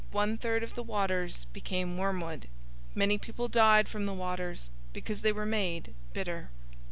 One third of the waters became wormwood. Many people died from the waters, because they were made bitter.